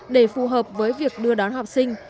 để phù hợp với việc đưa đón học sinh